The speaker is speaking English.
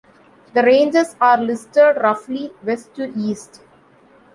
The ranges are listed roughly west to east.